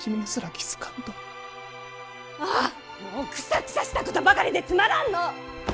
あーもうくさくさしたことばかりでつまらんのぅ。